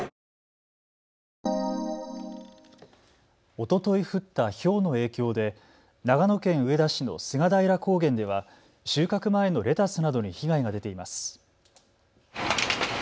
おととい降ったひょうの影響で長野県上田市の菅平高原では収穫前のレタスなどに被害が出ています。